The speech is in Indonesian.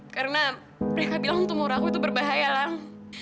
karena mereka bilang tumor aku itu berbahaya lang